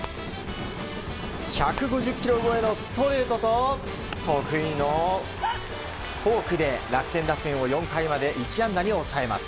１５０キロ超えのストレートと得意のフォークで楽天打線を４回まで１安打に抑えます。